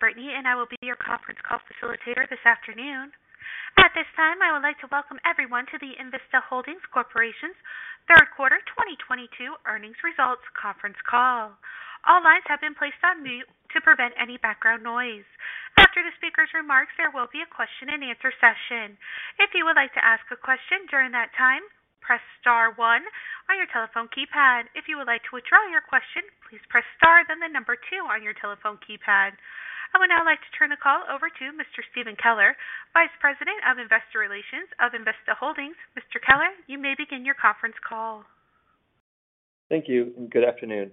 My name is Brittany, and I will be your conference call facilitator this afternoon. At this time, I would like to welcome everyone to the Envista Holdings Corporation's Third Quarter 2022 Earnings Results Conference Call. All lines have been placed on mute to prevent any background noise. After the speaker's remarks, there will be a question-and-answer session. If you would like to ask a question during that time, press star one on your telephone keypad. If you would like to withdraw your question, please press star, then the number two on your telephone keypad. I would now like to turn the call over to Mr. Stephen Keller, Vice President of Investor Relations of Envista Holdings. Mr. Keller, you may begin your conference call. Thank you, and good afternoon.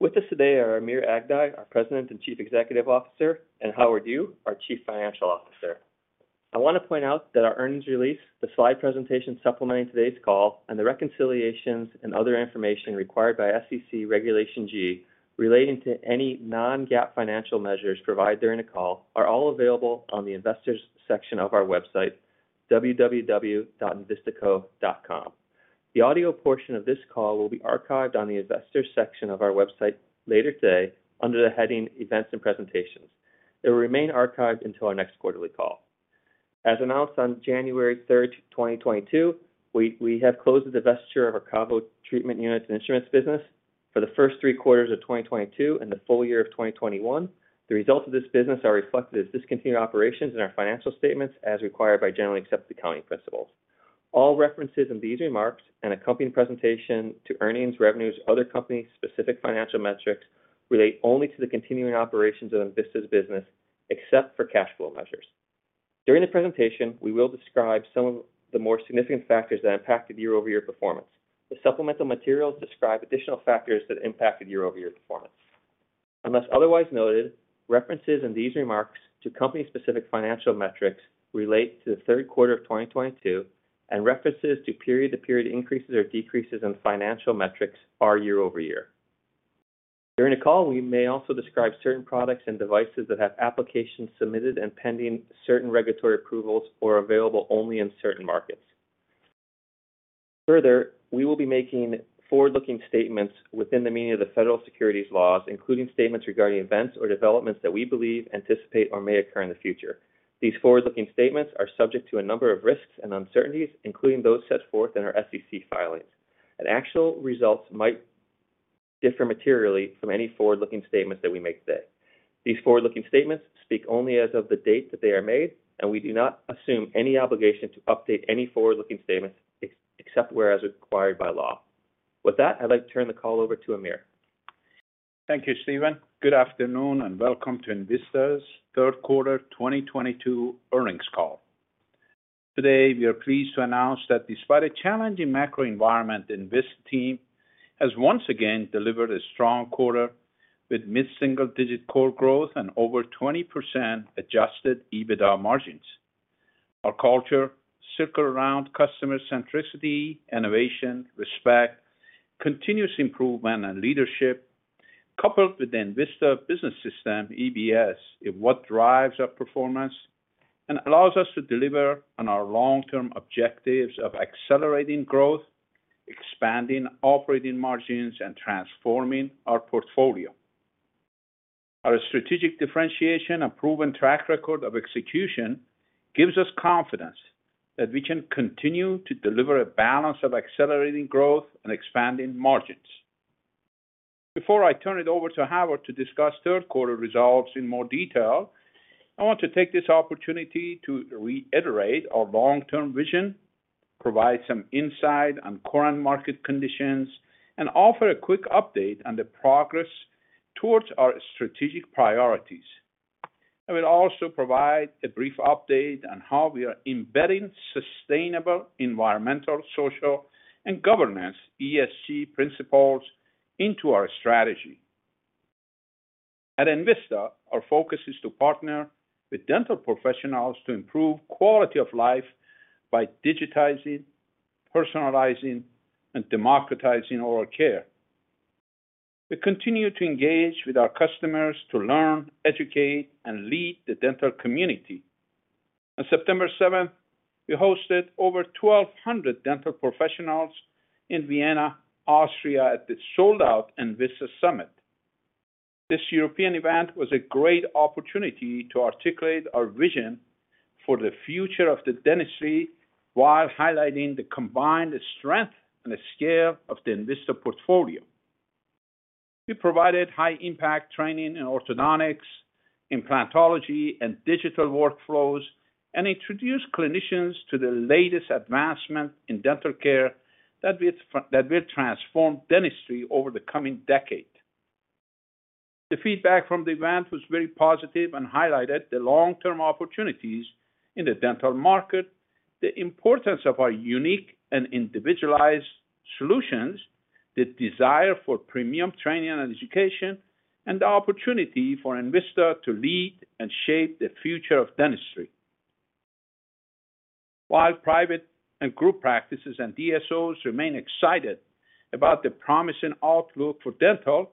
With us today are Amir Aghdaei, our President and Chief Executive Officer, and Howard Yu, our Chief Financial Officer. I want to point out that our earnings release, the slide presentation supplementing today's call, and the reconciliations and other information required by SEC Regulation G relating to any non-GAAP financial measures provided during the call are all available on the Investors section of our website, www.envistaco.com. The audio portion of this call will be archived on the Investors section of our website later today under the heading Events and Presentations. It will remain archived until our next quarterly call. As announced on January 3rd, 2022, we have closed the divestiture of our KaVo treatment units and instruments business for the first three quarters of 2022 and the full year of 2021. The results of this business are reflected as discontinued operations in our financial statements as required by generally accepted accounting principles. All references in these remarks and accompanying presentation to earnings, revenues, other company-specific financial metrics relate only to the continuing operations of Envista's business, except for cash flow measures. During the presentation, we will describe some of the more significant factors that impacted year-over-year performance. The supplemental materials describe additional factors that impacted year-over-year performance. Unless otherwise noted, references in these remarks to company-specific financial metrics relate to the third quarter of 2022, and references to period-to-period increases or decreases in financial metrics are year over year. During the call, we may also describe certain products and devices that have applications submitted and pending certain regulatory approvals or available only in certain markets. Further, we will be making forward-looking statements within the meaning of the federal securities laws, including statements regarding events or developments that we believe, anticipate, or may occur in the future. These forward-looking statements are subject to a number of risks and uncertainties, including those set forth in our SEC filings, and actual results might differ materially from any forward-looking statements that we make today. These forward-looking statements speak only as of the date that they are made, and we do not assume any obligation to update any forward-looking statements except as required by law. With that, I'd like to turn the call over to Amir. Thank you, Stephen. Good afternoon, and welcome to Envista's third quarter 2022 earnings call. Today, we are pleased to announce that despite a challenging macro environment, Envista team has once again delivered a strong quarter with mid-single-digit core growth and over 20% adjusted EBITDA margins. Our culture circles around customer centricity, innovation, respect, continuous improvement and leadership, coupled with Envista Business System, EBS, is what drives our performance and allows us to deliver on our long-term objectives of accelerating growth, expanding operating margins, and transforming our portfolio. Our strategic differentiation and proven track record of execution gives us confidence that we can continue to deliver a balance of accelerating growth and expanding margins. Before I turn it over to Howard to discuss third quarter results in more detail, I want to take this opportunity to reiterate our long-term vision, provide some insight on current market conditions, and offer a quick update on the progress towards our strategic priorities. I will also provide a brief update on how we are embedding sustainable environmental, social, and governance, ESG, principles into our strategy. At Envista, our focus is to partner with dental professionals to improve quality of life by digitizing, personalizing, and democratizing oral care. We continue to engage with our customers to learn, educate, and lead the dental community. On September 7th, we hosted over 1,200 dental professionals in Vienna, Austria, at the sold-out Envista Summit. This European event was a great opportunity to articulate our vision for the future of the dentistry while highlighting the combined strength and the scale of the Envista portfolio. We provided high-impact training in orthodontics, implantology, and digital workflows, and introduced clinicians to the latest advancement in dental care that will transform dentistry over the coming decade. The feedback from the event was very positive and highlighted the long-term opportunities in the dental market, the importance of our unique and individualized solutions, the desire for premium training and education, and the opportunity for Envista to lead and shape the future of dentistry. While private and group practices and DSOs remain excited about the promising outlook for dental,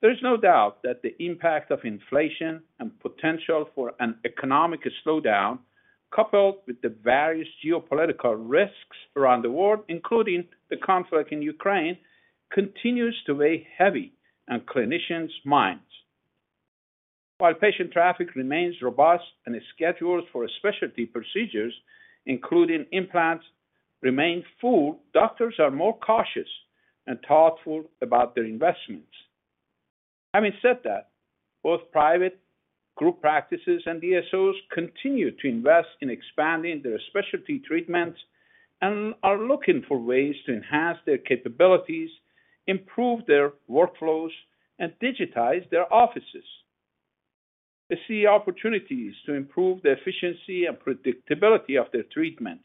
there is no doubt that the impact of inflation and potential for an economic slowdown, coupled with the various geopolitical risks around the world, including the conflict in Ukraine, continues to weigh heavy on clinicians' minds. While patient traffic remains robust and schedules for specialty procedures, including implants, remain full, doctors are more cautious and thoughtful about their investments. Having said that, both private group practices and DSOs continue to invest in expanding their specialty treatments and are looking for ways to enhance their capabilities, improve their workflows, and digitize their offices. They see opportunities to improve the efficiency and predictability of their treatments.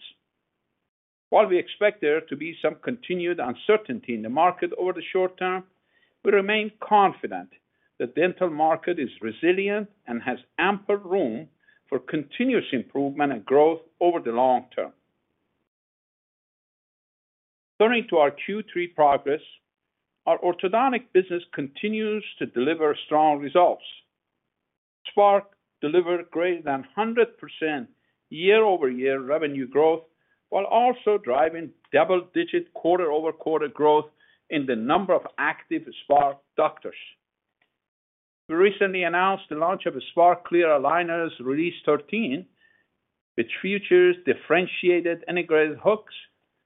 While we expect there to be some continued uncertainty in the market over the short term, we remain confident the dental market is resilient and has ample room for continuous improvement and growth over the long term. Turning to our Q3 progress, our orthodontic business continues to deliver strong results. Spark delivered greater than 100% year-over-year revenue growth, while also driving double-digit quarter-over-quarter growth in the number of active Spark doctors. We recently announced the launch of a Spark Clear Aligners Release 13, which features differentiated integrated hooks,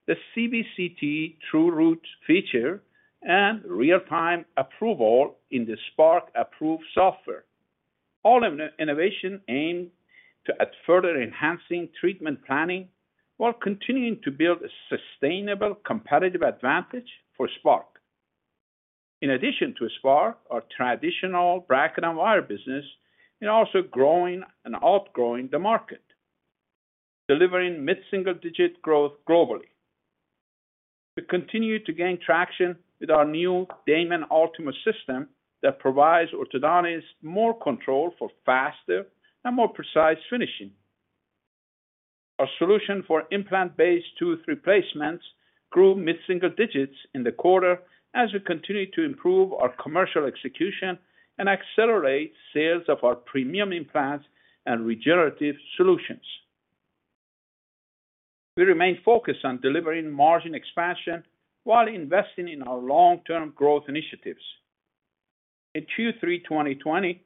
the CBCT True Roots feature, and real-time approval in the Spark Approver software. All this innovation aims to add further enhancements to treatment planning while continuing to build a sustainable competitive advantage for Spark. In addition to Spark, our traditional bracket and wire business is also growing and outgrowing the market, delivering mid-single-digit growth globally. We continue to gain traction with our new Damon Ultima system that provides orthodontists more control for faster and more precise finishing. Our solution for implant-based tooth replacements grew mid-single digits in the quarter as we continue to improve our commercial execution and accelerate sales of our premium implants and regenerative solutions. We remain focused on delivering margin expansion while investing in our long-term growth initiatives. In Q3 2020,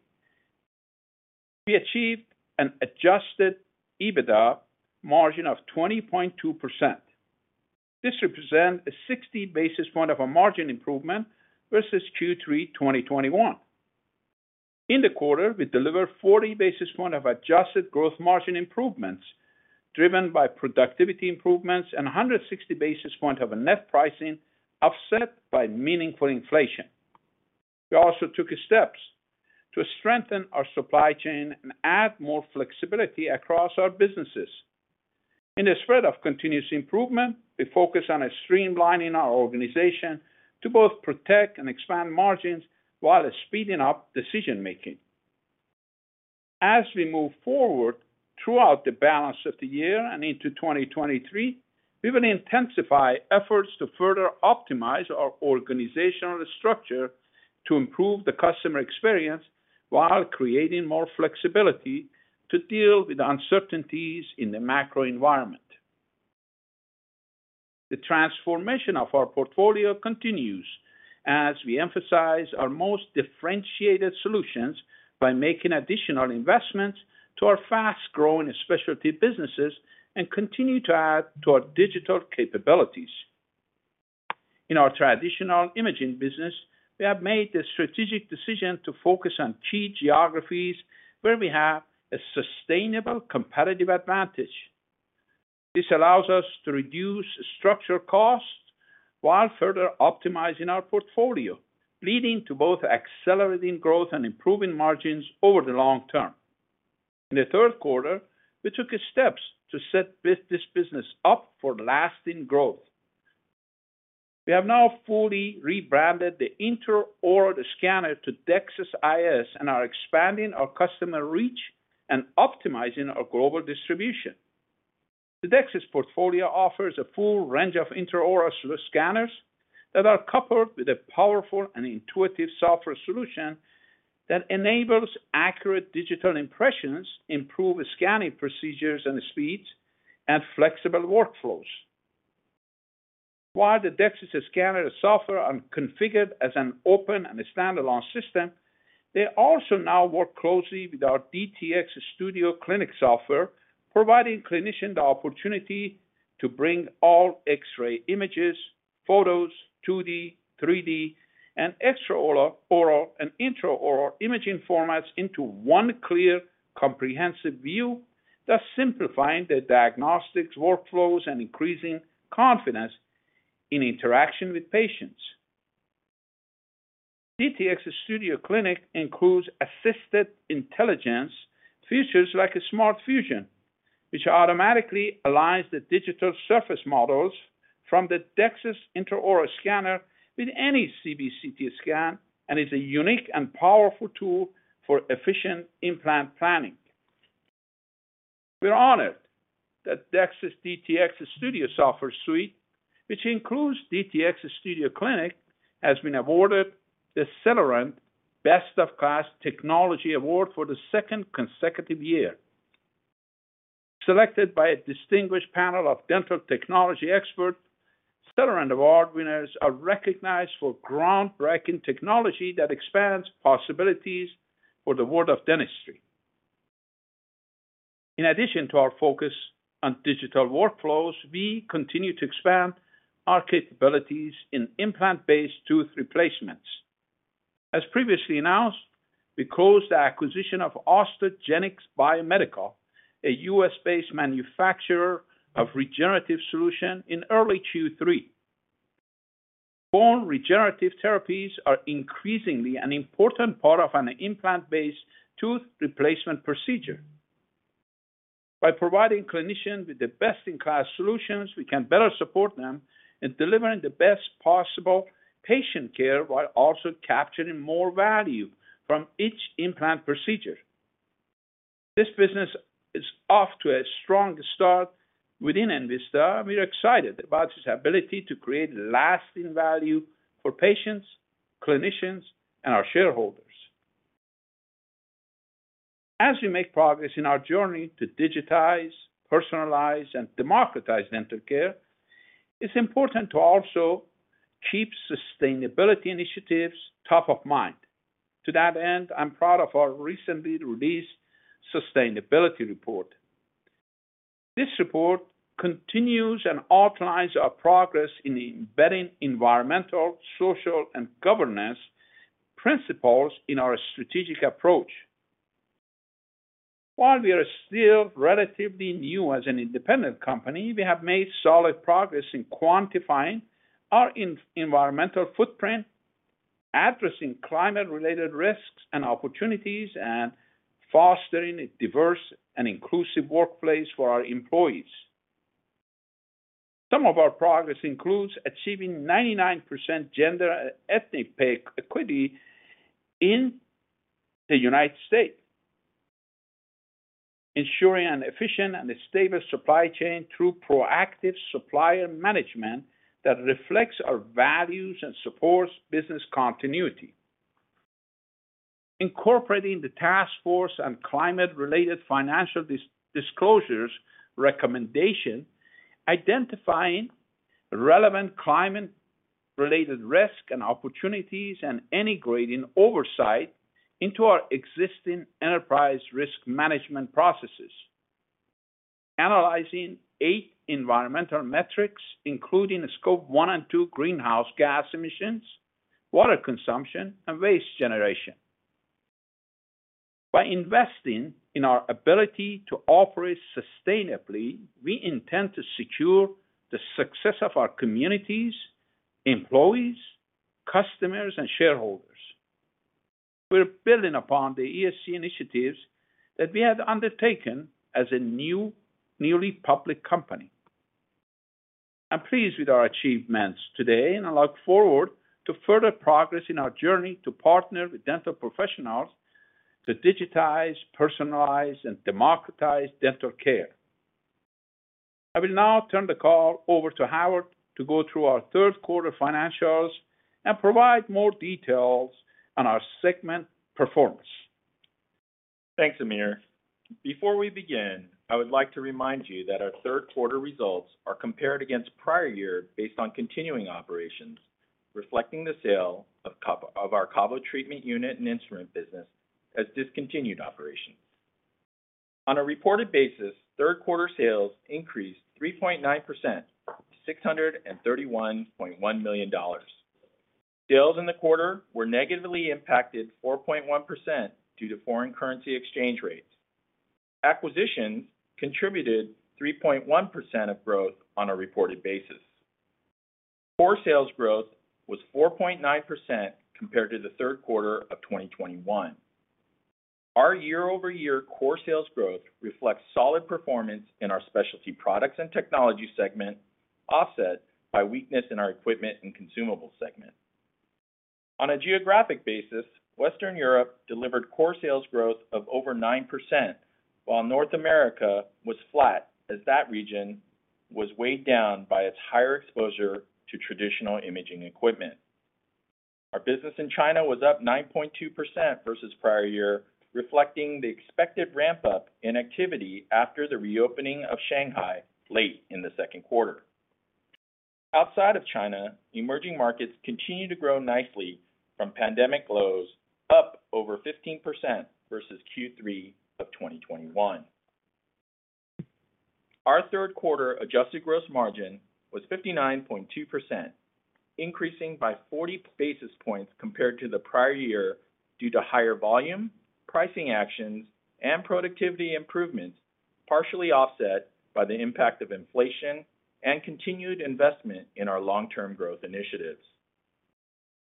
we achieved an adjusted EBITDA margin of 20.2%. This represents a 60 basis points of margin improvement versus Q3 2021. In the quarter, we delivered 40 basis points of adjusted gross margin improvements, driven by productivity improvements and 160 basis points of net pricing, offset by meaningful inflation. We also took steps to strengthen our supply chain and add more flexibility across our businesses. In the spirit of continuous improvement, we focus on streamlining our organization to both protect and expand margins while speeding up decision-making. As we move forward throughout the balance of the year and into 2023, we will intensify efforts to further optimize our organizational structure to improve the customer experience while creating more flexibility to deal with the uncertainties in the macro environment. The transformation of our portfolio continues as we emphasize our most differentiated solutions by making additional investments to our fast-growing specialty businesses and continue to add to our digital capabilities. In our traditional imaging business, we have made the strategic decision to focus on key geographies where we have a sustainable competitive advantage. This allows us to reduce structural costs while further optimizing our portfolio, leading to both accelerating growth and improving margins over the long term. In the third quarter, we took steps to set this business up for lasting growth. We have now fully rebranded the intraoral scanner to DEXIS IOS and are expanding our customer reach and optimizing our global distribution. The DEXIS portfolio offers a full range of intraoral scanners that are coupled with a powerful and intuitive software solution that enables accurate digital impressions, improved scanning procedures and speeds, and flexible workflows. While the DEXIS scanner software are configured as an open and a stand-alone system, they also now work closely with our DTX Studio Clinic software, providing clinicians the opportunity to bring all X-ray images, photos, 2D, 3D, and extra-oral, oral and intra-oral imaging formats into one clear, comprehensive view, thus simplifying the diagnostics workflows and increasing confidence in interaction with patients. DTX Studio Clinic includes assisted intelligence features like a SmartFusion, which automatically aligns the digital surface models from the DEXIS intraoral scanner with any CBCT scan and is a unique and powerful tool for efficient implant planning. We are honored that DEXIS DTX Studio software suite, which includes DTX Studio Clinic, has been awarded the Cellerant Best of Class Technology Award for the second consecutive year. Selected by a distinguished panel of dental technology experts, Cellerant Award winners are recognized for groundbreaking technology that expands possibilities for the world of dentistry. In addition to our focus on digital workflows, we continue to expand our capabilities in implant-based tooth replacements. As previously announced, we closed the acquisition of Osteogenics Biomedical, a U.S.-based manufacturer of regenerative solutions, in early Q3. Bone regenerative therapies are increasingly an important part of an implant-based tooth replacement procedure. By providing clinicians with the best-in-class solutions, we can better support them in delivering the best possible patient care, while also capturing more value from each implant procedure. This business is off to a strong start within Envista, and we are excited about its ability to create lasting value for patients, clinicians, and our shareholders. As we make progress in our journey to digitize, personalize, and democratize dental care, it's important to also keep sustainability initiatives top of mind. To that end, I'm proud of our recently released sustainability report. This report continues and outlines our progress in embedding environmental, social, and governance principles in our strategic approach. While we are still relatively new as an independent company, we have made solid progress in quantifying our environmental footprint, addressing climate-related risks and opportunities, and fostering a diverse and inclusive workplace for our employees. Some of our progress includes achieving 99% gender ethnic pay equity in the United States. Ensuring an efficient and stable supply chain through proactive supplier management that reflects our values and supports business continuity. Incorporating the task force on climate-related financial disclosures recommendation, identifying relevant climate-related risk and opportunities, and integrating oversight into our existing enterprise risk management processes. Analyzing eight environmental metrics, including Scope 1 and Scope 2 greenhouse gas emissions, water consumption, and waste generation. By investing in our ability to operate sustainably, we intend to secure the success of our communities, employees, customers, and shareholders. We're building upon the ESG initiatives that we have undertaken as a newly public company. I'm pleased with our achievements today, and I look forward to further progress in our journey to partner with dental professionals to digitize, personalize, and democratize dental care. I will now turn the call over to Howard to go through our third quarter financials and provide more details on our segment performance. Thanks, Amir. Before we begin, I would like to remind you that our third quarter results are compared against prior year based on continuing operations, reflecting the sale of our KaVo treatment unit and instrument business as discontinued operations. On a reported basis, third quarter sales increased 3.9% to $631.1 million. Sales in the quarter were negatively impacted 4.1% due to foreign currency exchange rates. Acquisitions contributed 3.1% of growth on a reported basis. Core sales growth was 4.9% compared to the third quarter of 2021. Our year-over-year core sales growth reflects solid performance in our Specialty Products & Technologies segment, offset by weakness in our Equipment & Consumables segment. On a geographic basis, Western Europe delivered core sales growth of over 9%, while North America was flat as that region was weighed down by its higher exposure to traditional imaging equipment. Our business in China was up 9.2% versus prior year, reflecting the expected ramp-up in activity after the reopening of Shanghai late in the second quarter. Outside of China, emerging markets continue to grow nicely from pandemic lows up over 15% versus Q3 of 2021. Our third quarter adjusted gross margin was 59.2%, increasing by 40 basis points compared to the prior year due to higher volume, pricing actions, and productivity improvements, partially offset by the impact of inflation and continued investment in our long-term growth initiatives.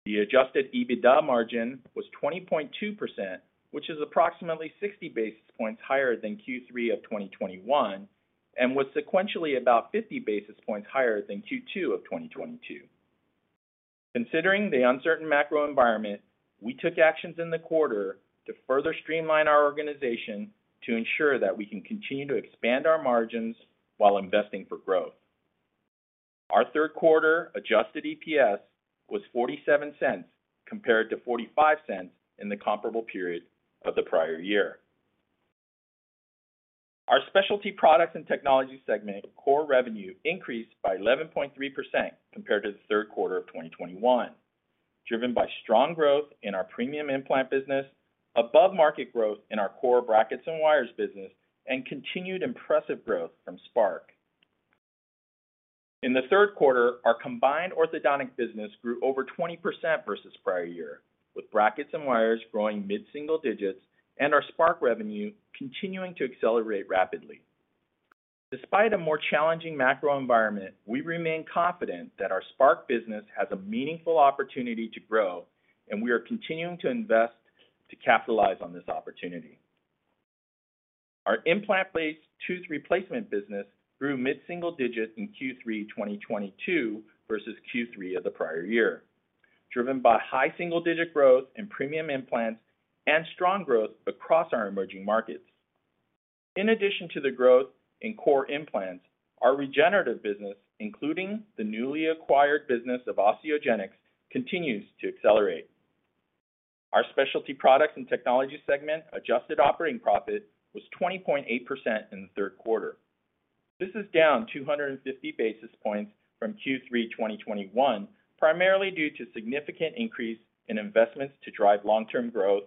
The adjusted EBITDA margin was 20.2%, which is approximately 60 basis points higher than Q3 of 2021 and was sequentially about 50 basis points higher than Q2 of 2022. Considering the uncertain macro environment, we took actions in the quarter to further streamline our organization to ensure that we can continue to expand our margins while investing for growth. Our third quarter adjusted EPS was $0.47 compared to $0.45 in the comparable period of the prior year. Our Specialty Products & Technologies segment core revenue increased by 11.3% compared to the third quarter of 2021, driven by strong growth in our premium implant business, above-market growth in our core brackets and wires business, and continued impressive growth from Spark. In the third quarter, our combined orthodontic business grew over 20% versus prior year, with brackets and wires growing mid-single digits and our Spark revenue continuing to accelerate rapidly. Despite a more challenging macro environment, we remain confident that our Spark business has a meaningful opportunity to grow, and we are continuing to invest to capitalize on this opportunity. Our implant-based tooth replacement business grew mid-single digits in Q3 2022 versus Q3 of the prior year, driven by high single-digit growth in premium implants and strong growth across our emerging markets. In addition to the growth in core implants, our regenerative business, including the newly acquired business of Osteogenics, continues to accelerate. Our Specialty Products & Technologies segment adjusted operating profit was 20.8% in the third quarter. This is down 250 basis points from Q3 2021, primarily due to significant increase in investments to drive long-term growth,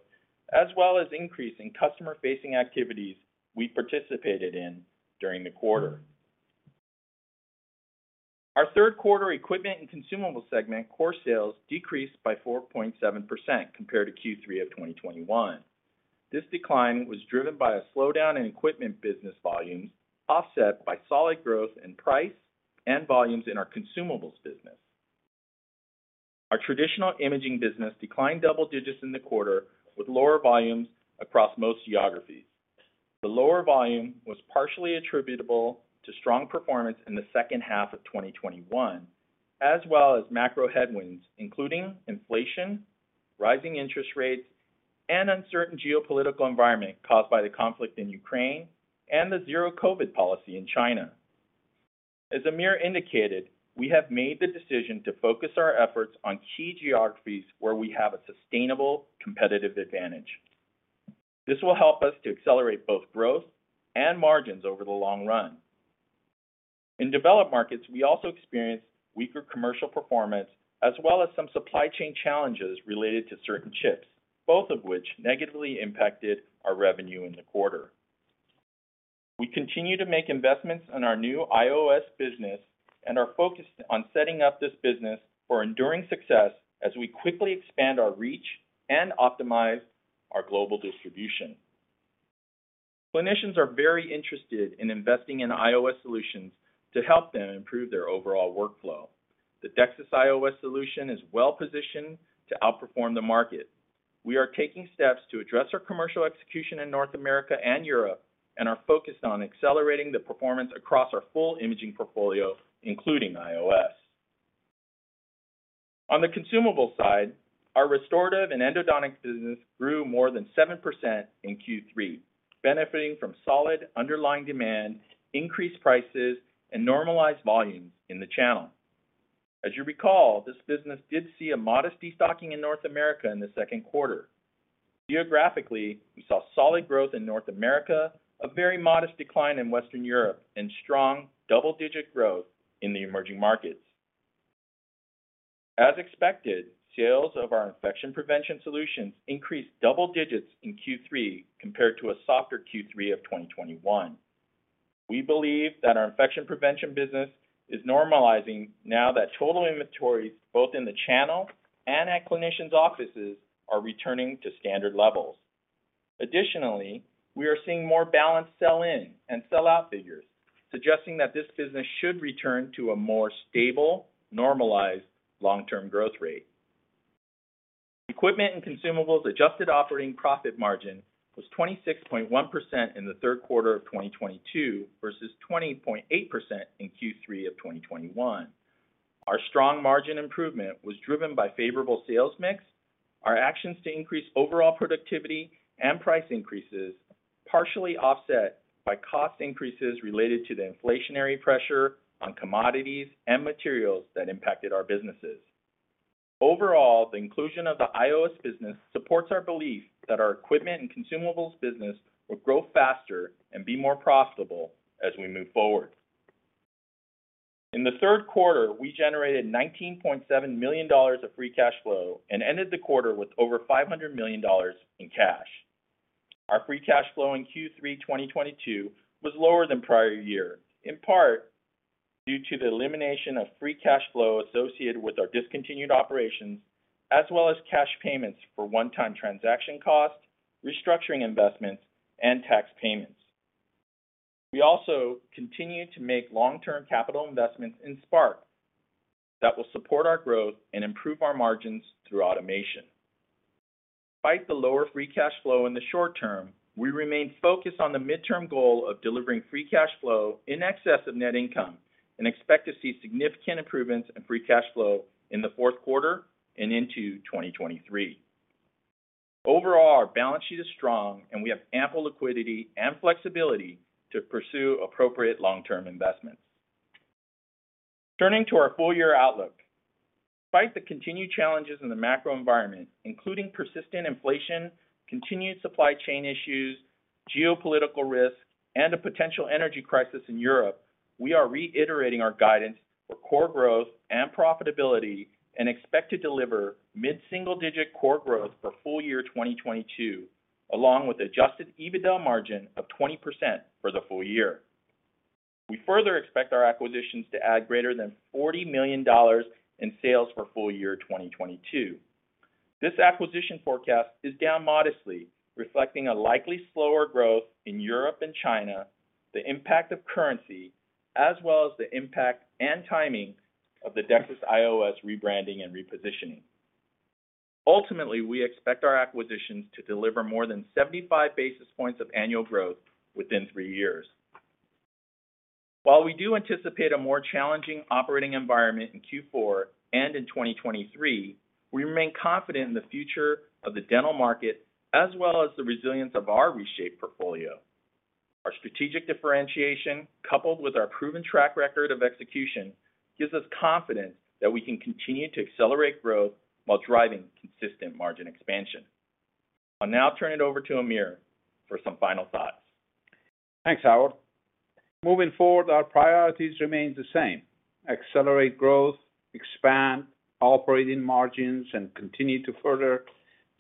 as well as increase in customer-facing activities we participated in during the quarter. Our third quarter Equipment & Consumables segment core sales decreased by 4.7% compared to Q3 2021. This decline was driven by a slowdown in equipment business volumes, offset by solid growth in price and volumes in our consumables business. Our traditional imaging business declined double digits in the quarter, with lower volumes across most geographies. The lower volume was partially attributable to strong performance in the second half of 2021, as well as macro headwinds, including inflation, rising interest rates, and uncertain geopolitical environment caused by the conflict in Ukraine and the zero-COVID policy in China. As Amir indicated, we have made the decision to focus our efforts on key geographies where we have a sustainable competitive advantage. This will help us to accelerate both growth and margins over the long run. In developed markets, we also experienced weaker commercial performance, as well as some supply chain challenges related to certain chips, both of which negatively impacted our revenue in the quarter. We continue to make investments in our new IOS business and are focused on setting up this business for enduring success as we quickly expand our reach and optimize our global distribution. Clinicians are very interested in investing in IOS solutions to help them improve their overall workflow. The DEXIS IOS solution is well-positioned to outperform the market. We are taking steps to address our commercial execution in North America and Europe and are focused on accelerating the performance across our full imaging portfolio, including IOS. On the consumables side, our restorative and endodontic business grew more than 7% in Q3, benefiting from solid underlying demand, increased prices, and normalized volumes in the channel. As you recall, this business did see a modest destocking in North America in the second quarter. Geographically, we saw solid growth in North America, a very modest decline in Western Europe, and strong double-digit growth in the emerging markets. As expected, sales of our infection prevention solutions increased double digits in Q3 compared to a softer Q3 of 2021. We believe that our infection prevention business is normalizing now that total inventories, both in the channel and at clinicians' offices, are returning to standard levels. Additionally, we are seeing more balanced sell-in and sell-out figures, suggesting that this business should return to a more stable, normalized long-term growth rate. Equipment & Consumables adjusted operating profit margin was 26.1% in the third quarter of 2022 versus 20.8% in Q3 of 2021. Our strong margin improvement was driven by favorable sales mix. Our actions to increase overall productivity and price increases partially offset by cost increases related to the inflationary pressure on commodities and materials that impacted our businesses. Overall, the inclusion of the IOS business supports our belief that our Equipment & Consumables business will grow faster and be more profitable as we move forward. In the third quarter, we generated $19.7 million of free cash flow and ended the quarter with over $500 million in cash. Our free cash flow in Q3 2022 was lower than prior year, in part due to the elimination of free cash flow associated with our discontinued operations, as well as cash payments for one-time transaction costs, restructuring investments, and tax payments. We also continue to make long-term capital investments in Spark that will support our growth and improve our margins through automation. Despite the lower free cash flow in the short term, we remain focused on the midterm goal of delivering free cash flow in excess of net income and expect to see significant improvements in free cash flow in the fourth quarter and into 2023. Overall, our balance sheet is strong, and we have ample liquidity and flexibility to pursue appropriate long-term investments. Turning to our full-year outlook. Despite the continued challenges in the macro environment, including persistent inflation, continued supply chain issues, geopolitical risks, and a potential energy crisis in Europe, we are reiterating our guidance for core growth and profitability and expect to deliver mid-single-digit core growth for full year 2022, along with adjusted EBITDA margin of 20% for the full year. We further expect our acquisitions to add greater than $40 million in sales for full year 2022. This acquisition forecast is down modestly, reflecting a likely slower growth in Europe and China, the impact of currency, as well as the impact and timing of the DEXIS IOS rebranding and repositioning. Ultimately, we expect our acquisitions to deliver more than 75 basis points of annual growth within three years. While we do anticipate a more challenging operating environment in Q4 and in 2023, we remain confident in the future of the dental market as well as the resilience of our reshaped portfolio. Our strategic differentiation, coupled with our proven track record of execution, gives us confidence that we can continue to accelerate growth while driving consistent margin expansion. I'll now turn it over to Amir for some final thoughts. Thanks, Howard. Moving forward, our priorities remain the same. Accelerate growth, expand operating margins, and continue to further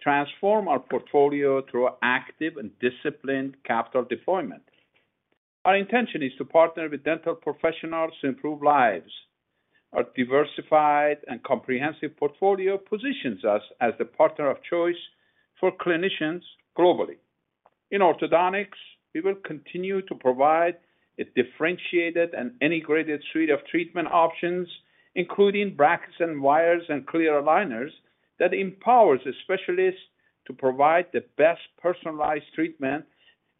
transform our portfolio through active and disciplined capital deployment. Our intention is to partner with dental professionals to improve lives. Our diversified and comprehensive portfolio positions us as the partner of choice for clinicians globally. In orthodontics, we will continue to provide a differentiated and integrated suite of treatment options, including brackets and wires and clear aligners that empowers the specialists to provide the best personalized treatment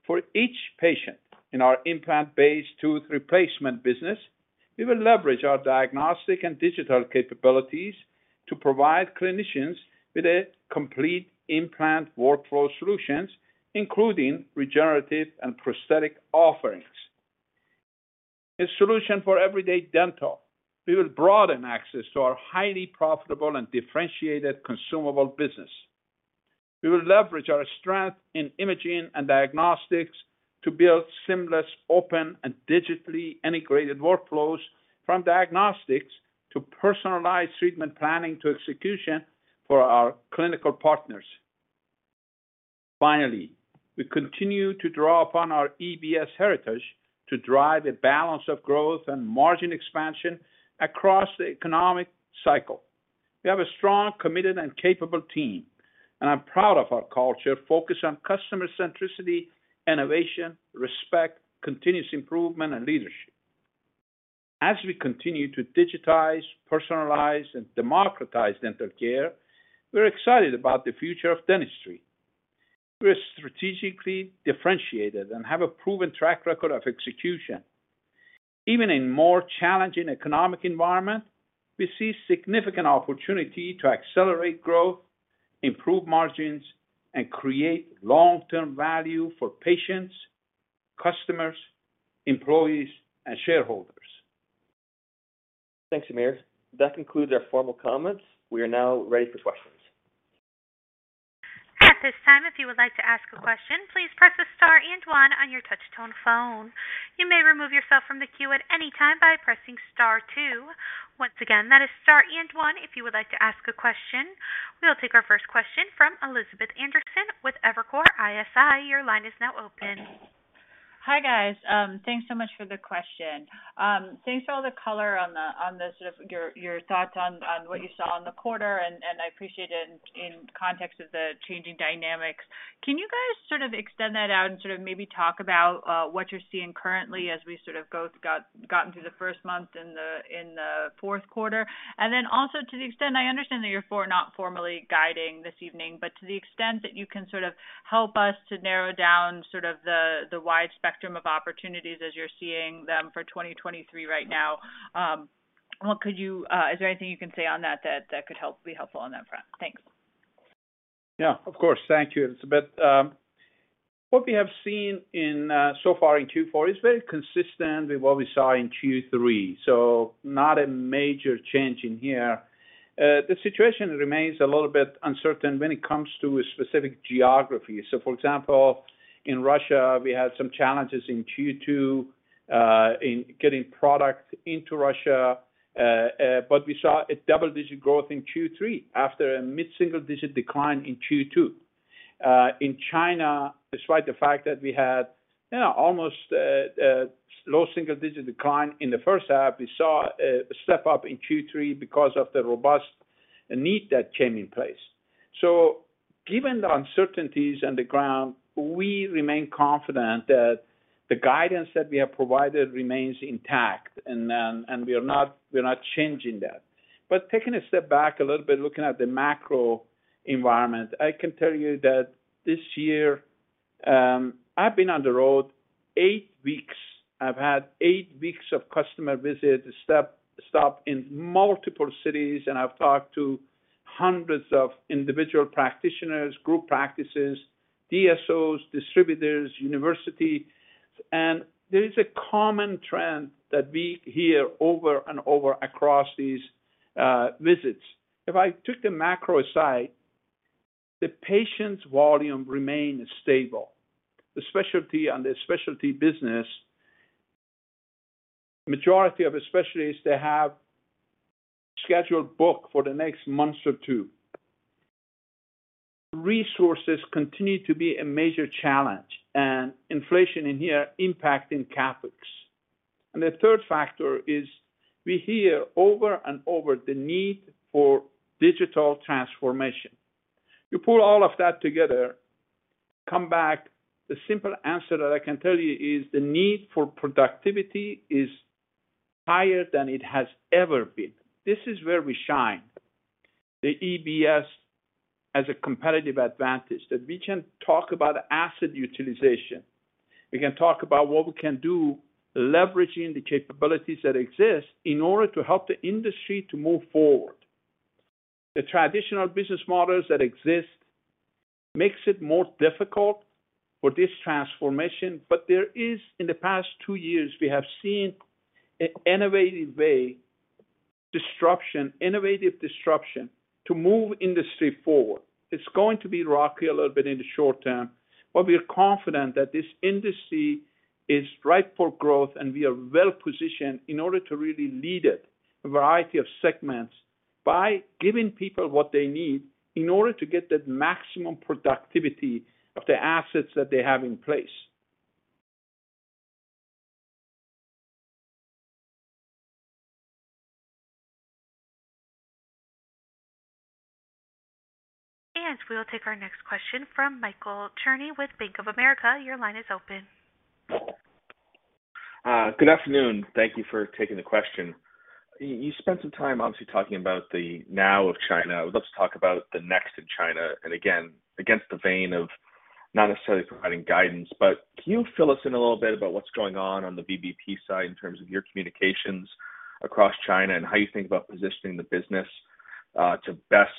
for each patient. In our implant-based tooth replacement business, we will leverage our diagnostic and digital capabilities to provide clinicians with a complete implant workflow solutions, including regenerative and prosthetic offerings. A solution for everyday dental. We will broaden access to our highly profitable and differentiated consumable business. We will leverage our strength in imaging and diagnostics to build seamless, open, and digitally integrated workflows from diagnostics to personalized treatment planning to execution for our clinical partners. Finally, we continue to draw upon our EBS heritage to drive a balance of growth and margin expansion across the economic cycle. We have a strong, committed, and capable team, and I'm proud of our culture focused on customer centricity, innovation, respect, continuous improvement, and leadership. As we continue to digitize, personalize, and democratize dental care, we're excited about the future of dentistry. We're strategically differentiated and have a proven track record of execution. Even in more challenging economic environment, we see significant opportunity to accelerate growth, improve margins, and create long-term value for patients, customers, employees, and shareholders. Thanks, Amir. That concludes our formal comments. We are now ready for questions. At this time, if you would like to ask a question, please press star and one on your touch tone phone. You may remove yourself from the queue at any time by pressing star two. Once again, that is star and one if you would like to ask a question. We'll take our first question from Elizabeth Anderson with Evercore ISI. Your line is now open. Hi, guys. Thanks so much for the question. Thanks for all the color on the sort of your thoughts on what you saw in the quarter, and I appreciate it in context of the changing dynamics. Can you guys sort of extend that out and sort of maybe talk about what you're seeing currently as we sort of gotten through the first month in the fourth quarter? Then also to the extent I understand that you're not formally guiding this evening, but to the extent that you can sort of help us to narrow down sort of the wide spectrum of opportunities as you're seeing them for 2023 right now, is there anything you can say on that that could be helpful on that front? Thanks. Yeah. Of course. Thank you, Elizabeth. What we have seen so far in Q4 is very consistent with what we saw in Q3, so not a major change here. The situation remains a little bit uncertain when it comes to a specific geography. For example, in Russia, we had some challenges in Q2 in getting product into Russia. But we saw a double-digit growth in Q3 after a mid-single digit decline in Q2. In China, despite the fact that we had, you know, almost low single digit decline in the first half, we saw a step up in Q3 because of the robust need that came in place. Given the uncertainties on the ground, we remain confident that the guidance that we have provided remains intact, and we're not changing that. Taking a step back a little bit, looking at the macro environment, I can tell you that this year, I've been on the road eight weeks. I've had eight weeks of customer visits in multiple cities, and I've talked to hundreds of individual practitioners, group practices, DSOs, distributors, university. There is a common trend that we hear over and over across these visits. If I took the macro aside, the patients' volume remains stable. The specialty on the specialty business, majority of the specialties, they have scheduled book for the next months or two. Resources continue to be a major challenge, and inflation is here impacting CapEx. The third factor is we hear over and over the need for digital transformation. You pull all of that together, come back. The simple answer that I can tell you is the need for productivity is higher than it has ever been. This is where we shine. The EBS has a competitive advantage that we can talk about asset utilization. We can talk about what we can do, leveraging the capabilities that exist in order to help the industry to move forward. The traditional business models that exist makes it more difficult for this transformation. In the past two years, we have seen an innovative way, disruption, innovative disruption to move industry forward. It's going to be rocky a little bit in the short term, but we are confident that this industry is ripe for growth, and we are well-positioned in order to really lead it, a variety of segments, by giving people what they need in order to get the maximum productivity of the assets that they have in place. We'll take our next question from Michael Cherny with Bank of America. Your line is open. Good afternoon. Thank you for taking the question. You spent some time obviously talking about the now of China. I would love to talk about the next in China. Again, in the vein of not necessarily providing guidance, but can you fill us in a little bit about what's going on on the VBP side in terms of your communications across China and how you think about positioning the business to best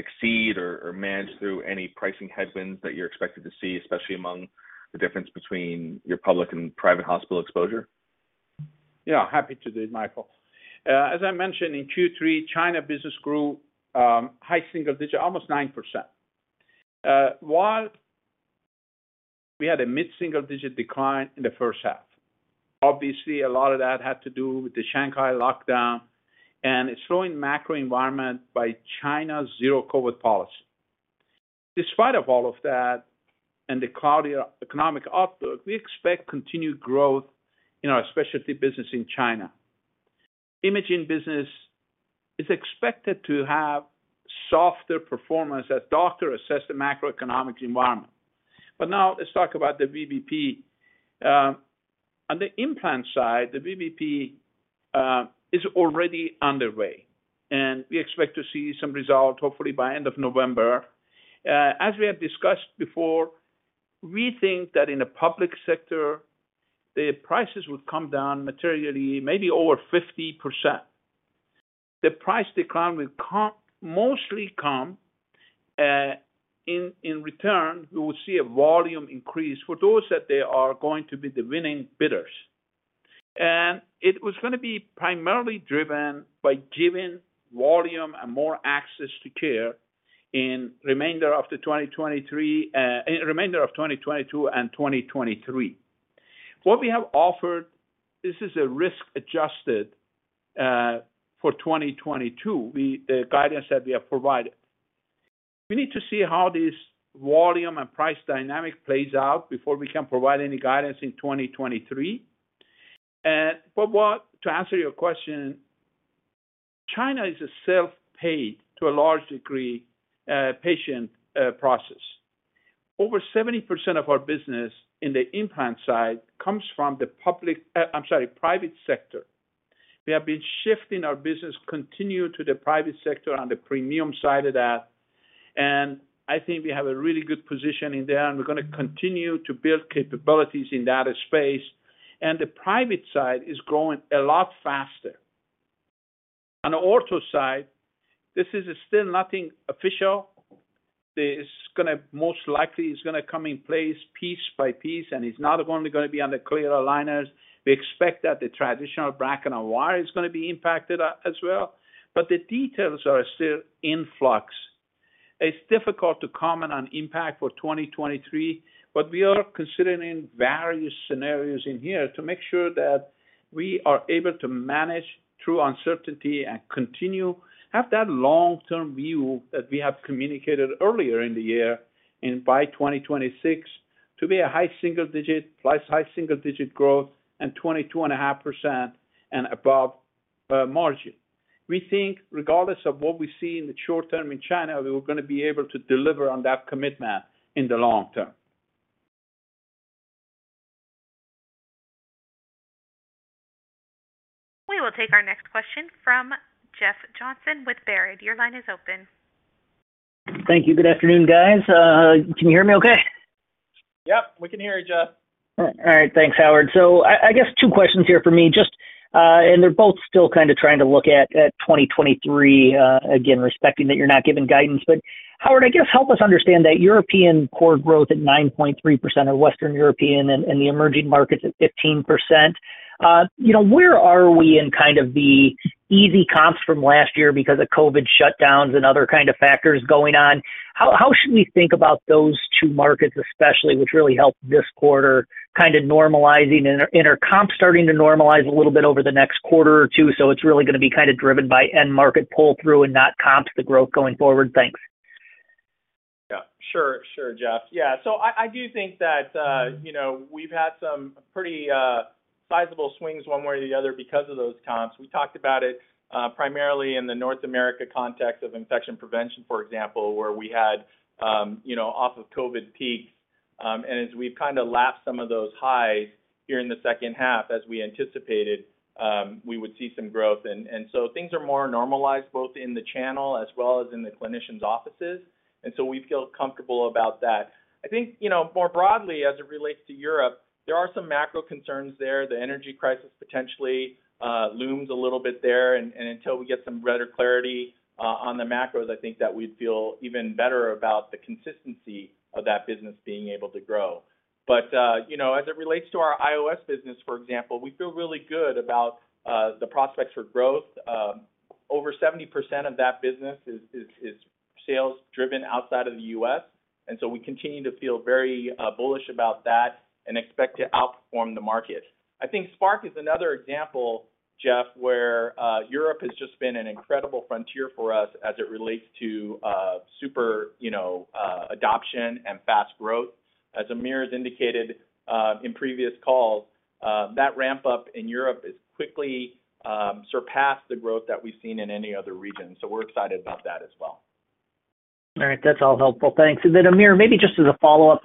succeed or manage through any pricing headwinds that you're expected to see, especially among the difference between your public and private hospital exposure? Yeah, happy to do it, Michael. As I mentioned in Q3, China business grew high single digit, almost 9%, while we had a mid-single digit decline in the first half. Obviously, a lot of that had to do with the Shanghai lockdown and a slowing macro environment by China's Zero-COVID policy. Despite of all of that and the cloudy economic outlook, we expect continued growth in our specialty business in China. Imaging business is expected to have softer performance as doctors assess the macroeconomic environment. Now let's talk about the VBP. On the implant side, the VBP is already underway, and we expect to see some results hopefully by end of November. As we have discussed before, we think that in the public sector, the prices would come down materially, maybe over 50%. The price decline will come mostly in return. We will see a volume increase for those that they are going to be the winning bidders. It was gonna be primarily driven by giving volume and more access to care in remainder of 2023, in remainder of 2022 and 2023. What we have offered, this is a risk-adjusted for 2022, the guidance that we have provided. We need to see how this volume and price dynamic plays out before we can provide any guidance in 2023. To answer your question, China is a self-paid, to a large degree, patient process. Over 70% of our business in the implant side comes from the private sector. We have been shifting our business continuing to the private sector on the premium side of that, and I think we have a really good position in there, and we're gonna continue to build capabilities in that space. The private side is growing a lot faster. On the ortho side, this is still nothing official. This most likely is gonna come in place piece by piece, and it's not only gonna be on the clear aligners. We expect that the traditional bracket and wire is gonna be impacted as well, but the details are still in flux. It's difficult to comment on impact for 2023, but we are considering various scenarios in here to make sure that we are able to manage through uncertainty and continue have that long-term view that we have communicated earlier in the year, and by 2026 to be a high single-digit, plus high single-digit growth and 22.5% and above. Margin. We think regardless of what we see in the short term in China, we're gonna be able to deliver on that commitment in the long term. We will take our next question from Jeff Johnson with Baird. Your line is open. Thank you. Good afternoon, guys. Can you hear me okay? Yep, we can hear you, Jeff. All right. Thanks, Howard. I guess two questions here for me, just and they're both still kind of trying to look at 2023, again, respecting that you're not giving guidance. Howard, I guess help us understand that European core growth at 9.3% or Western European and the emerging markets at 15%. You know, where are we in kind of the easy comps from last year because of COVID shutdowns and other kind of factors going on? How should we think about those two markets especially, which really helped this quarter kind of normalizing? Are comps starting to normalize a little bit over the next quarter or two, so it's really gonna be kind of driven by end market pull-through and not comps, the growth going forward? Thanks. Yeah, sure, Jeff. I do think that, you know, we've had some pretty sizable swings one way or the other because of those comps. We talked about it primarily in the North America context of infection prevention, for example, where we had, you know, off of COVID peaks. As we've kind of lapped some of those highs here in the second half, as we anticipated, we would see some growth. Things are more normalized both in the channel as well as in the clinicians' offices. We feel comfortable about that. I think, you know, more broadly as it relates to Europe, there are some macro concerns there. The energy crisis potentially looms a little bit there and until we get some better clarity on the macros, I think that we'd feel even better about the consistency of that business being able to grow. You know, as it relates to our IOS business, for example, we feel really good about the prospects for growth. Over 70% of that business is sales driven outside of the U.S. We continue to feel very bullish about that and expect to outperform the market. I think Spark is another example, Jeff, where Europe has just been an incredible frontier for us as it relates to super, you know, adoption and fast growth. As Amir has indicated in previous calls, that ramp-up in Europe has quickly surpassed the growth that we've seen in any other region. We're excited about that as well. All right. That's all helpful. Thanks. Amir, maybe just as a follow-up.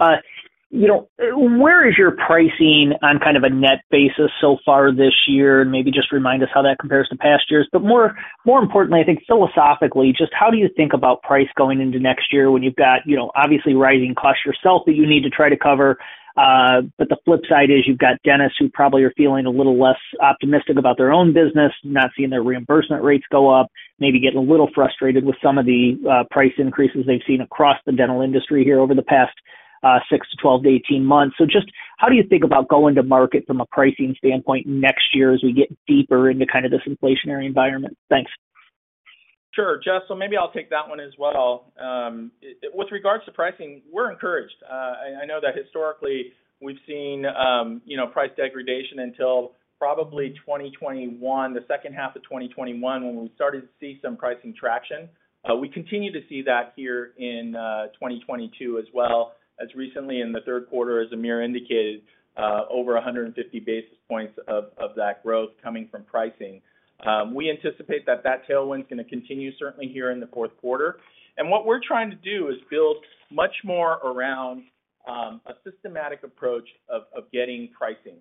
You know, where is your pricing on kind of a net basis so far this year? Maybe just remind us how that compares to past years. More importantly, I think philosophically, just how do you think about price going into next year when you've got, you know, obviously rising costs yourself that you need to try to cover? The flip side is you've got dentists who probably are feeling a little less optimistic about their own business, not seeing their reimbursement rates go up, maybe getting a little frustrated with some of the price increases they've seen across the dental industry here over the past 6 months, 12 months to 18 months. Just how do you think about going to market from a pricing standpoint next year as we get deeper into kind of this inflationary environment? Thanks. Sure, Jeff. Maybe I'll take that one as well. With regards to pricing, we're encouraged. I know that historically we've seen, you know, price degradation until probably 2021, the second half of 2021 when we started to see some pricing traction. We continue to see that here in 2022 as well, as recently in the third quarter, as Amir indicated, over 150 basis points of that growth coming from pricing. We anticipate that tailwind's gonna continue certainly here in the fourth quarter. What we're trying to do is build much more around a systematic approach of getting pricing.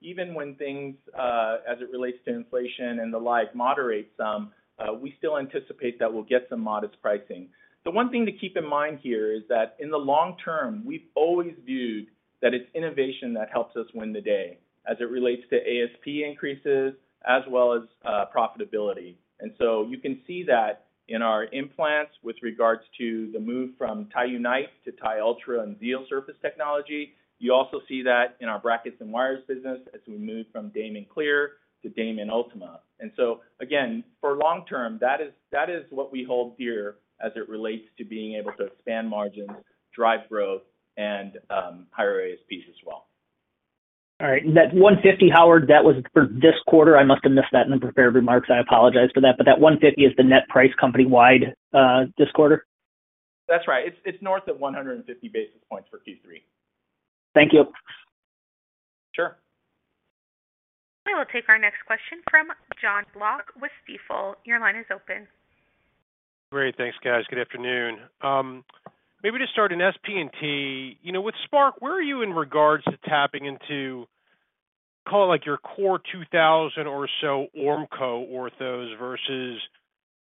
Even when things as it relates to inflation and the like moderate some, we still anticipate that we'll get some modest pricing. The one thing to keep in mind here is that in the long term, we've always viewed that it's innovation that helps us win the day as it relates to ASP increases as well as profitability. You can see that in our implants with regards to the move from TiUnite to TiUltra and Xeal surface technology. You also see that in our brackets and wires business as we move from Damon Clear to Damon Ultima. Again, for long term, that is what we hold dear as it relates to being able to expand margins, drive growth and higher ASPs as well. All right. That 150, Howard, that was for this quarter. I must have missed that in the prepared remarks. I apologize for that, but that 150 is the net price company-wide, this quarter? That's right. It's north of 150 basis points for Q3. Thank you. Sure. We will take our next question from Jonathan Block with Stifel. Your line is open. Great. Thanks, guys. Good afternoon. Maybe just start in SP&T. You know, with Spark, where are you in regards to tapping into, call it like your core 2,000 or so Ormco orthos versus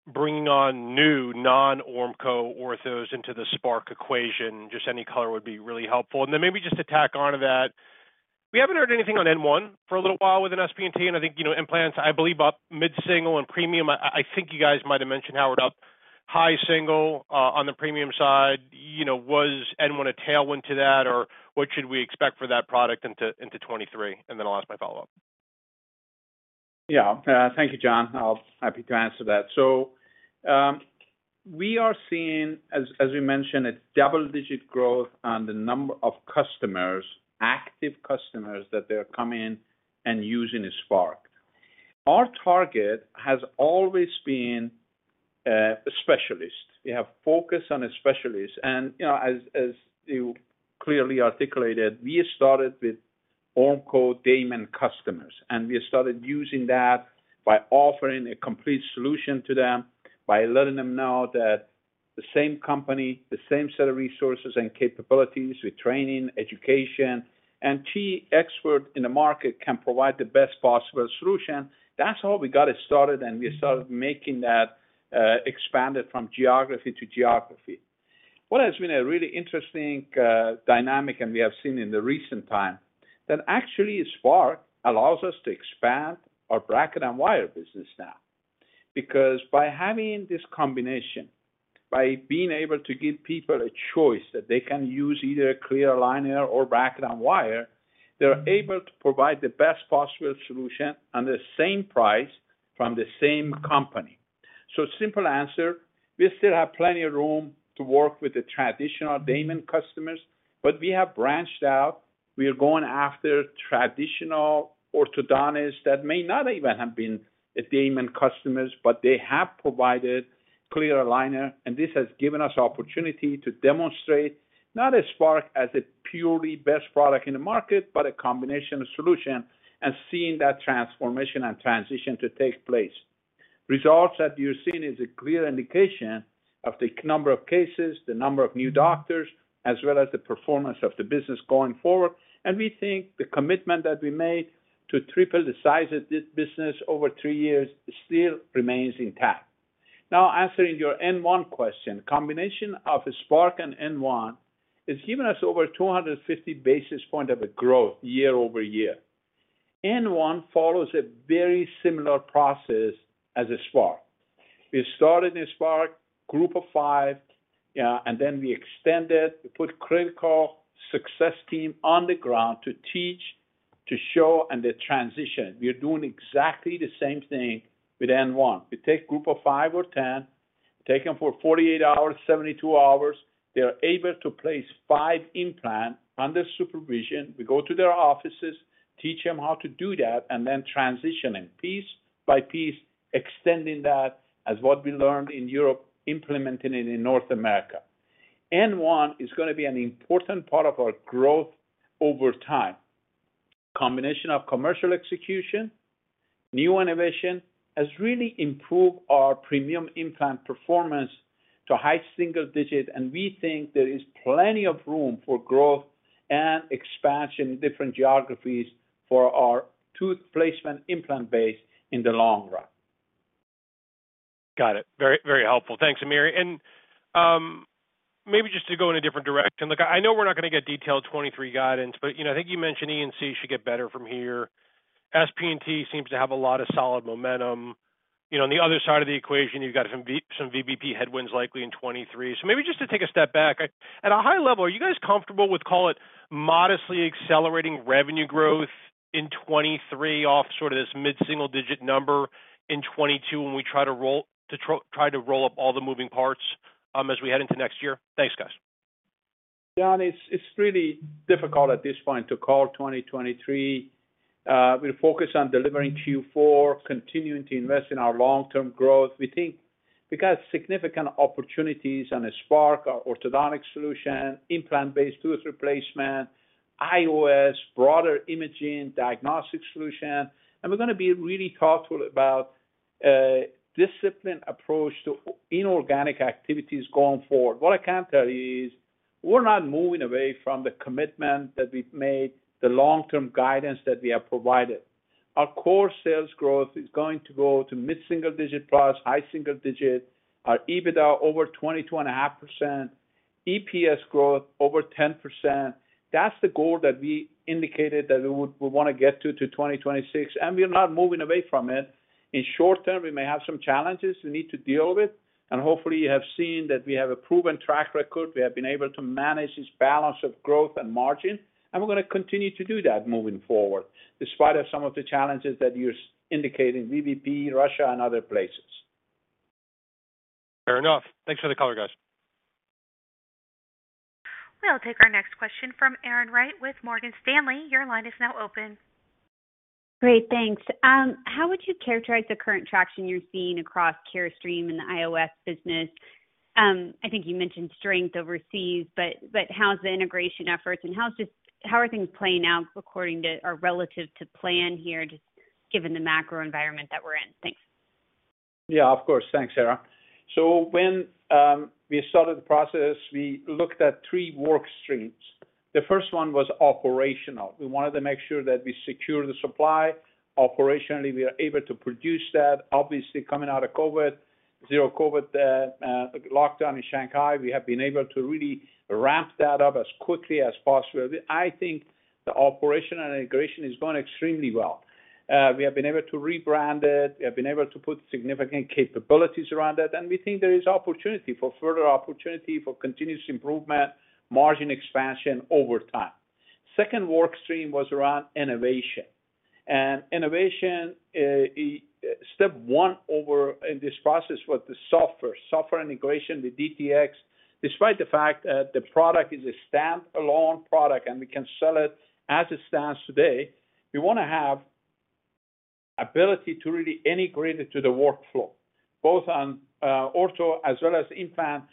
bringing on new non-Ormco orthos into the Spark equation? Just any color would be really helpful. Maybe just to tack on to that, we haven't heard anything on N1 for a little while within SP&T, and I think, you know, implants, I believe up mid-single% and premium. I think you guys might have mentioned, Howard, up high single%, on the premium side. You know, was N1 a tailwind to that, or what should we expect for that product into 2023? I'll ask my follow-up. Yeah. Thank you, John. I'll be happy to answer that. We are seeing as we mentioned, a double-digit growth on the number of customers, active customers that they're coming and using Spark. Our target has always been A specialist. We have focus on a specialist. You know, as you clearly articulated, we started with Ormco Damon customers, and we started using that by offering a complete solution to them, by letting them know that the same company, the same set of resources and capabilities with training, education, and key expert in the market can provide the best possible solution. That's how we got it started, and we started making that expanded from geography to geography. What has been a really interesting dynamic, and we have seen in the recent time, that actually Spark allows us to expand our bracket and wire business now. Because by having this combination, by being able to give people a choice that they can use either clear aligner or bracket and wire, they're able to provide the best possible solution on the same price from the same company. Simple answer, we still have plenty of room to work with the traditional Damon customers, but we have branched out. We are going after traditional orthodontists that may not even have been a Damon customers, but they have provided clear aligner, and this has given us opportunity to demonstrate not a Spark as a purely best product in the market, but a combination of solution and seeing that transformation and transition to take place. Results that you're seeing is a clear indication of the number of cases, the number of new doctors, as well as the performance of the business going forward. We think the commitment that we made to triple the size of this business over 3 years still remains intact. Now, answering your N1 question, combination of a Spark and N1 has given us over 250 basis points of growth year-over-year. N1 follows a very similar process as a Spark. We started a Spark group of 5, and then we extended, we put critical success team on the ground to teach, to show, and the transition. We are doing exactly the same thing with N1. We take group of 5 or group of 10, take them for 48 hours, 72 hours. They are able to place 5 implants under supervision. We go to their offices, teach them how to do that, and then transition in piece by piece, extending that as what we learned in Europe, implementing it in North America. N1 is gonna be an important part of our growth over time. Combination of commercial execution, new innovation, has really improved our premium implant performance to high single digit, and we think there is plenty of room for growth and expansion in different geographies for our tooth replacement implant base in the long run. Got it. Very, very helpful. Thanks, Amir. Maybe just to go in a different direction. Look, I know we're not going to get detailed 2023 guidance, but you know, I think you mentioned E&C should get better from here. SP&T seems to have a lot of solid momentum. You know, on the other side of the equation, you've got some VBP headwinds likely in 2023. Maybe just to take a step back. At a high level, are you guys comfortable with call it modestly accelerating revenue growth in 2023 off sort of this mid-single digit number in 2022 when we try to roll up all the moving parts as we head into next year? Thanks, guys. John, it's really difficult at this point to call 2023. We're focused on delivering Q4, continuing to invest in our long-term growth. We think we've got significant opportunities on the Spark, our orthodontic solution, implant-based tooth replacement, IOS, broader imaging, diagnostic solution, and we're going to be really thoughtful about a disciplined approach to inorganic activities going forward. What I can tell you is we're not moving away from the commitment that we've made, the long-term guidance that we have provided. Our core sales growth is going to go to mid-single-digit plus high-single-digit, our EBITDA over 22.5%, EPS growth over 10%. That's the goal that we indicated that we want to get to 2026, and we're not moving away from it. In short term, we may have some challenges we need to deal with, and hopefully, you have seen that we have a proven track record. We have been able to manage this balance of growth and margin, and we're going to continue to do that moving forward, despite of some of the challenges that you're indicating, VBP, Russia and other places. Fair enough. Thanks for the color, guys. We'll take our next question from Erin Wright with Morgan Stanley. Your line is now open. Great. Thanks. How would you characterize the current traction you're seeing across Carestream and the IOS business? I think you mentioned strength overseas, but how's the integration efforts and how are things playing out according to or relative to plan here, just given the macro environment that we're in? Thanks. Yeah, of course. Thanks, Erin. When we started the process, we looked at three work streams. The first one was operational. We wanted to make sure that we secure the supply. Operationally, we are able to produce that. Obviously, coming out of COVID, zero-COVID lockdown in Shanghai, we have been able to really ramp that up as quickly as possible. I think the operation and integration is going extremely well. We have been able to rebrand it. We have been able to put significant capabilities around that. We think there is opportunity for further opportunity for continuous improvement, margin expansion over time. Second work stream was around innovation. Innovation step one over in this process was the software integration, the DTX. Despite the fact that the product is a stand-alone product and we can sell it as it stands today, we want to have the ability to really integrate it to the workflow, both on ortho as well as implant.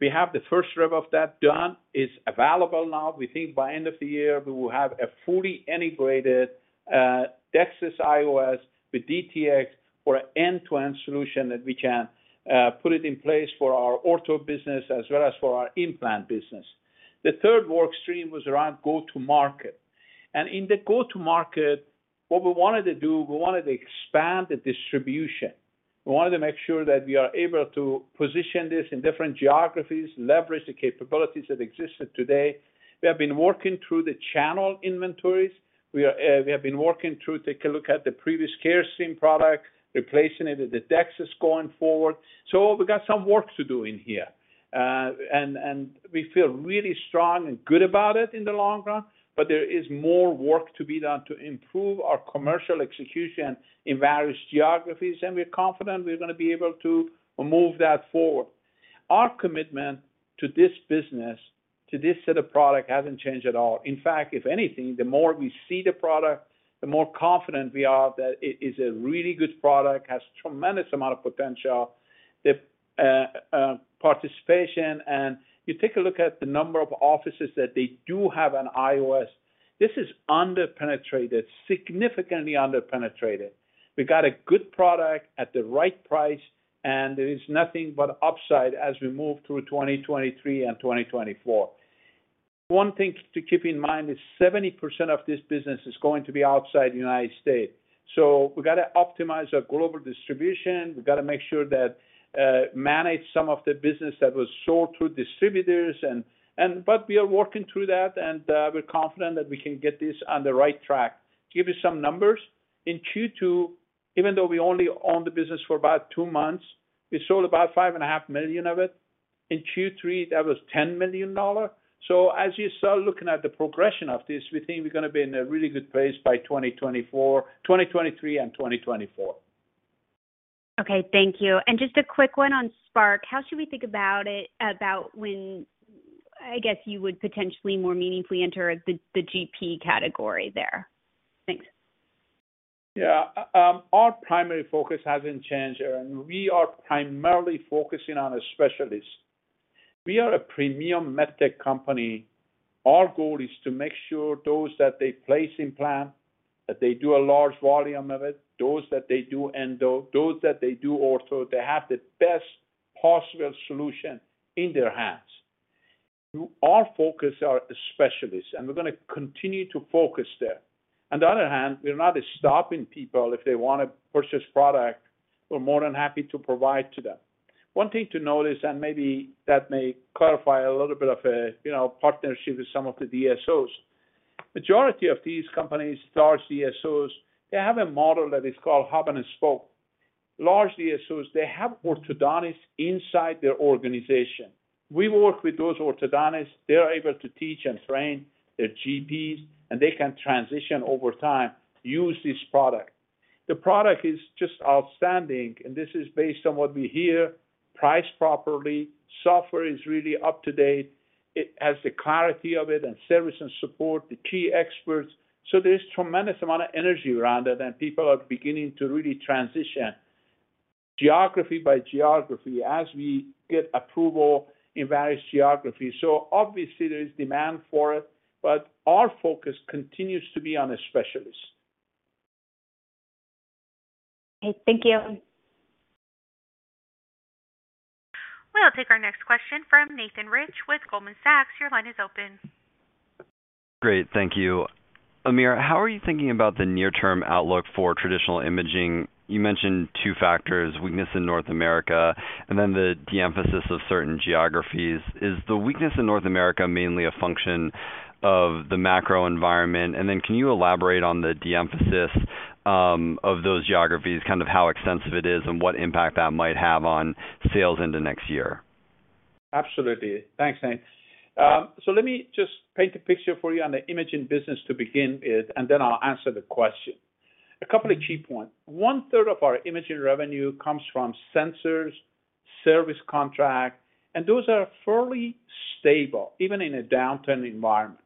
We have the first rev of that done. It's available now. We think by end of the year, we will have a fully integrated DEXIS IOS with DTX for an end-to-end solution that we can put it in place for our ortho business as well as for our implant business. The third work stream was around go to market. In the go to market, what we wanted to do, we wanted to expand the distribution. We wanted to make sure that we are able to position this in different geographies, leverage the capabilities that existed today. We have been working through the channel inventories. We have been working through. Take a look at the previous Carestream product, replacing it with the DEXIS going forward. We got some work to do in here. We feel really strong and good about it in the long run, but there is more work to be done to improve our commercial execution in various geographies, and we're confident we're gonna be able to move that forward. Our commitment to this business, to this set of product, hasn't changed at all. In fact, if anything, the more we see the product, the more confident we are that it is a really good product, has tremendous amount of potential. The participation, and you take a look at the number of offices that they do have an IOS. This is under-penetrated, significantly under-penetrated. We got a good product at the right price, and there is nothing but upside as we move through 2023 and 2024. One thing to keep in mind is 70% of this business is going to be outside the United States. We gotta optimize our global distribution. We gotta make sure that manage some of the business that was sold through distributors and but we are working through that, and we're confident that we can get this on the right track. To give you some numbers, in Q2, even though we only owned the business for about two months, we sold about $5.5 million of it. In Q3, that was $10 million. As you start looking at the progression of this, we think we're gonna be in a really good place by 2023 and 2024. Okay. Thank you. Just a quick one on Spark. How should we think about it, about when, I guess, you would potentially more meaningfully enter the GP category there? Thanks. Yeah. Our primary focus hasn't changed, Erin. We are primarily focusing on a specialist. We are a premium med tech company. Our goal is to make sure those that they place implant, that they do a large volume of it, those that they do endo, those that they do ortho, they have the best possible solution in their hands. Our focus are specialists, and we're gonna continue to focus there. On the other hand, we're not stopping people if they wanna purchase product, we're more than happy to provide to them. One thing to notice, and maybe that may clarify a little bit of a, you know, partnership with some of the DSOs. Majority of these companies, large DSOs, they have a model that is called hub and spoke. Large DSOs, they have orthodontists inside their organization. We work with those orthodontists. They're able to teach and train their GPs, and they can transition over time, use this product. The product is just outstanding, and this is based on what we hear, priced properly, software is really up to date. It has the clarity of it and service and support, the key experts. There's tremendous amount of energy around it and people are beginning to really transition geography by geography as we get approval in various geographies. Obviously there is demand for it, but our focus continues to be on a specialist. Okay. Thank you. We'll take our next question from Nathan Rich with Goldman Sachs. Your line is open. Great. Thank you. Amir, how are you thinking about the near term outlook for traditional imaging? You mentioned two factors, weakness in North America and then the de-emphasis of certain geographies. Is the weakness in North America mainly a function of the macro environment? Can you elaborate on the de-emphasis of those geographies, kind of how extensive it is and what impact that might have on sales into next year? Absolutely. Thanks, Nate. So let me just paint a picture for you on the imaging business to begin with, and then I'll answer the question. A couple of key points. 1/3 of our imaging revenue comes from sensors, service contracts, and those are fairly stable, even in a downturn environment.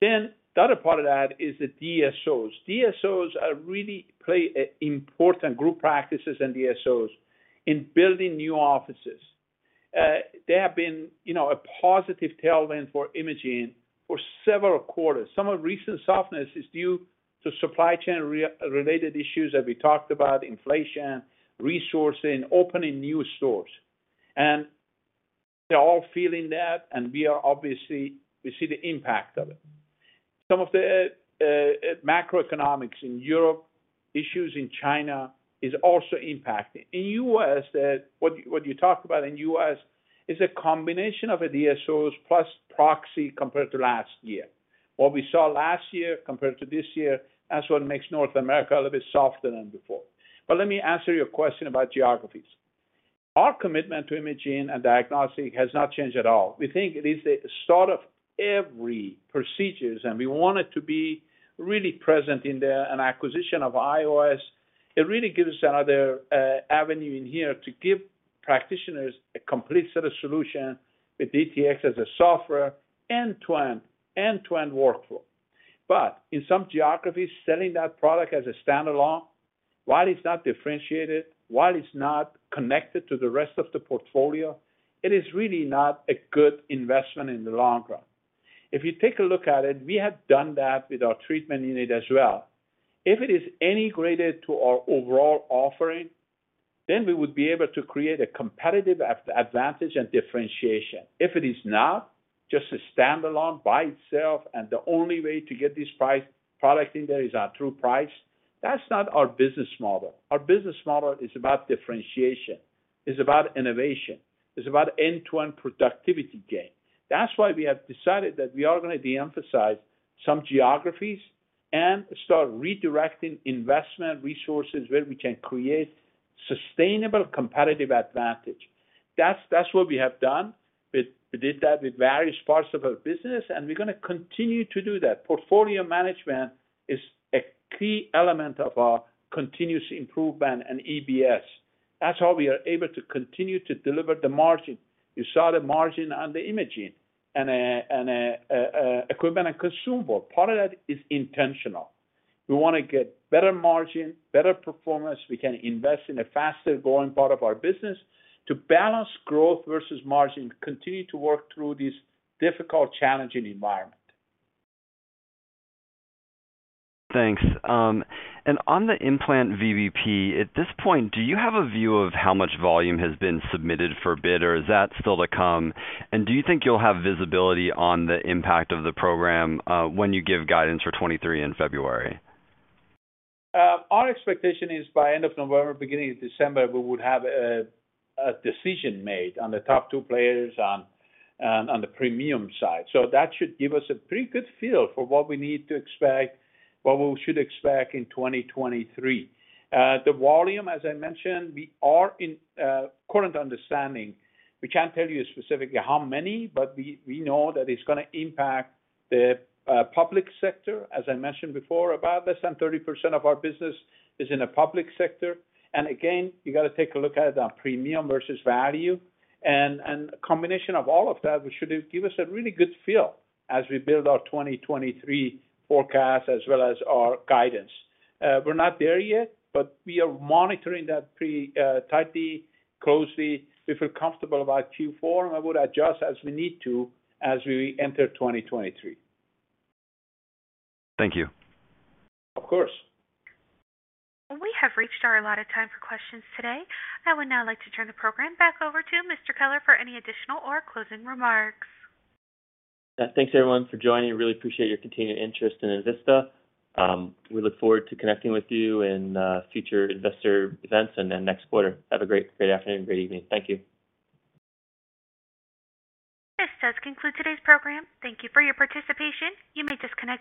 Then the other part of that is the DSOs. DSOs are really playing an important role in group practices and DSOs in building new offices. They have been, you know, a positive tailwind for imaging for several quarters. Some of the recent softness is due to supply chain-related issues that we talked about, inflation, resourcing, opening new stores. They're all feeling that, and we are obviously. We see the impact of it. Some of the macroeconomics in Europe, issues in China is also impacting. In the U.S., what you talk about in the U.S. is a combination of DSOs plus proxy compared to last year. What we saw last year compared to this year, that's what makes North America a little bit softer than before. Let me answer your question about geographies. Our commitment to imaging and diagnostic has not changed at all. We think it is the start of every procedures, and we want it to be really present in there. An acquisition of IOS really gives us another avenue in here to give practitioners a complete set of solution with DTX as a software, end-to-end workflow. In some geographies, selling that product as a standalone while it's not differentiated, while it's not connected to the rest of the portfolio, it is really not a good investment in the long run. If you take a look at it, we have done that with our treatment unit as well. If it is integrated to our overall offering, then we would be able to create a competitive advantage and differentiation. If it is not, just a standalone by itself, and the only way to get this product in there is through price, that's not our business model. Our business model is about differentiation, it's about innovation, it's about end-to-end productivity gain. That's why we have decided that we are gonna de-emphasize some geographies and start redirecting investment resources where we can create sustainable competitive advantage. That's what we have done with various parts of our business, and we're gonna continue to do that. Portfolio management is a key element of our continuous improvement and EBS. That's how we are able to continue to deliver the margin. You saw the margin on the imaging and Equipment & Consumables. Part of that is intentional. We wanna get better margin, better performance. We can invest in a faster-growing part of our business to balance growth versus margin, continue to work through this difficult, challenging environment. Thanks. On the implant VBP, at this point, do you have a view of how much volume has been submitted for bid, or is that still to come? Do you think you'll have visibility on the impact of the program, when you give guidance for 2023 in February? Our expectation is by end of November, beginning of December, we would have a decision made on the top two players on the premium side. That should give us a pretty good feel for what we need to expect, what we should expect in 2023. The volume, as I mentioned, we have our current understanding. We can't tell you specifically how many, but we know that it's gonna impact the public sector. As I mentioned before, about less than 30% of our business is in the public sector. Again, you gotta take a look at it on premium versus value. A combination of all of that should give us a really good feel as we build our 2023 forecast as well as our guidance. We're not there yet, but we are monitoring that tightly, closely. We feel comfortable about Q4, and we would adjust as we need to as we enter 2023. Thank you. Of course. We have reached our allotted time for questions today. I would now like to turn the program back over to Mr. Aghdaei for any additional or closing remarks. Yeah. Thanks everyone for joining. Really appreciate your continued interest in Envista. We look forward to connecting with you in future investor events and then next quarter. Have a great afternoon, great evening. Thank you. This does conclude today's program. Thank you for your participation. You may disconnect your-